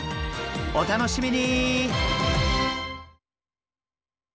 お楽しみに！